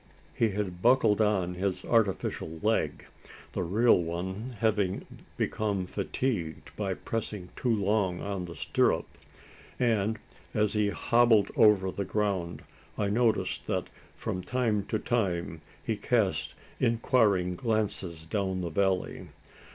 He had buckled on his artificial leg the real one having become fatigued by pressing too long on the stirrup; and, as he hobbled over the ground, I noticed that from time to time he cast inquiring glances down the valley.